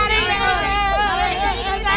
ketamu sebagai mana